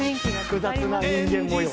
複雑な人間模様。